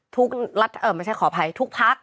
ทุกรัฐเออไม่ใช่ขออภัยทุกพัก